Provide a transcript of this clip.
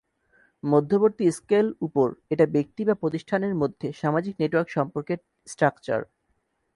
মধ্যবর্তী স্কেল উপর, এটা ব্যক্তি বা প্রতিষ্ঠানের মধ্যে সামাজিক নেটওয়ার্ক সম্পর্কের স্ট্রাকচার।